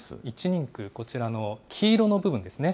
１人区、こちらの黄色の部分ですね。